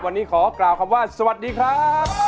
วันนี้ขอกล่าวคำว่าสวัสดีครับ